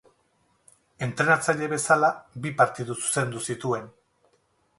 Entrenatzaile bezala, bi partidu zuzendu zituen.